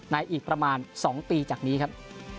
อีกประมาณ๒ปีจากนี้ครับ